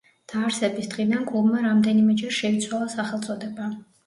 დაარსების დღიდან კლუბმა რამდენიმეჯერ შეიცვალა სახელწოდება.